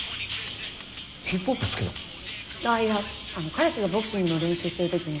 彼氏がボクシングの練習してる時に。